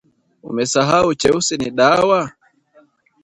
Umesahau cheusi ni dawa?